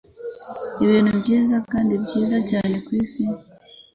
Ibintu byiza kandi byiza cyane kwisi